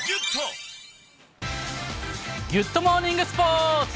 ギュッとモーニングスポーツ。